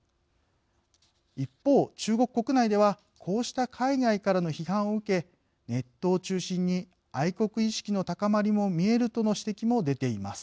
一方中国国内ではこうした海外からの批判を受けネットを中心に愛国意識の高まりも見えるとの指摘も出ています。